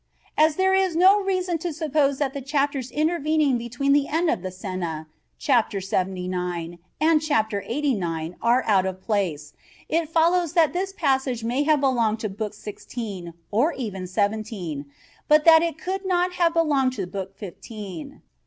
As there is no reason to suppose that the chapters intervening between the end of the Cena (Chapter 79) and Chapter 89 are out of place, it follows that this passage may have belonged to Book Sixteen, or even Seventeen, but that it could not have belonged to Book Fifteen.